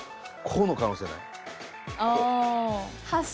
こうの可能性ない？